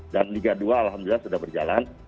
dan liga dua alhamdulillah sudah berjalan